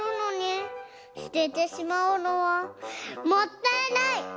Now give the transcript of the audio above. すててしまうのはもったいない。